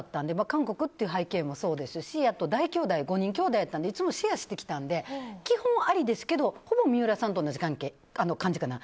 韓国っていう背景もそうですし大きょうだい５人きょうだいだったのでいつもシェアしてきたので基本ありですけど三浦さんと同じ感じかな。